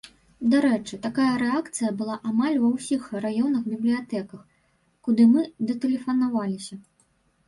Дарэчы, такая рэакцыя была амаль ва ўсіх раённых бібліятэках, куды мы датэлефанаваліся.